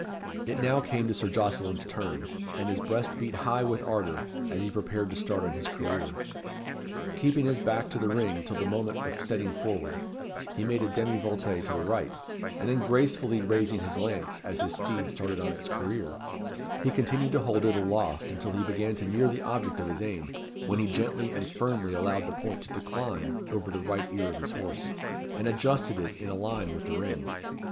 It now came to Sir Jocelyn's turn, and his breast beat high with ardour, as he prepared to start on his career. Keeping his back to the ring till the moment of setting forward, he made a demi volte to the right, and then gracefully raising his lance, as his steed started on its career, he continued to hold it aloft until he began to near the object of his aim, when he gently and firmly allowed the point to decline over the right ear of his horse, and adjusted it in a line with the ring.